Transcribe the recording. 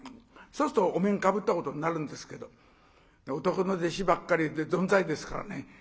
そうするとお面かぶったことになるんですけど男の弟子ばっかりでぞんざいですからね